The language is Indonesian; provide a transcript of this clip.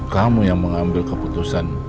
kamu yang mengambil keputusan